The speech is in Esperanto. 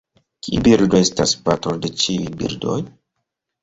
Kiu birdo estas patro de ĉiuj birdoj?